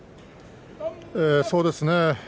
そうですね。